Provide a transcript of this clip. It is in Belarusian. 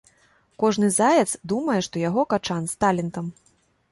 Кожны заяц думае, што яго качан з талентам.